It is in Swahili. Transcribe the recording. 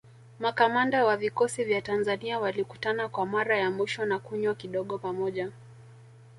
Makamanda wa vikosi vya Tanzania walikutana kwa mara ya mwisho na kunywa kidogo pamoja